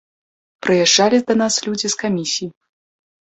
Прыязджалі да нас людзі з камісіі.